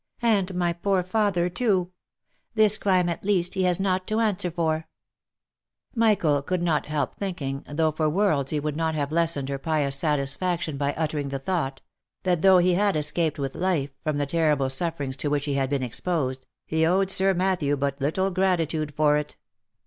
And my poor father too ! This crime at least he has not to answer for !" Michael could not help thinking — though for worlds he would not have lessened her pious satisfaction by uttering the thought — that z 338 THE LIFE AND ADVENTURES though he had escaped with life from the terrible sufferings to which he had been exposed, he owed Sir Matthew but little gratitude for it.